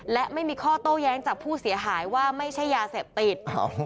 และไม่มีข้อโต้แย้งจากผู้เสียหายว่าไม่ใช่ยาเสพติด